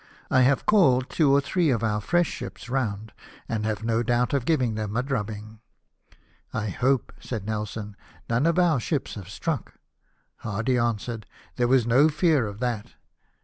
I have called two or three of our fresh ships round, and have no doubt of giving them a drubbmg." " I hope," said Nelson, " none of our ships have struck ?" Hardy answered, " There was no fear of that."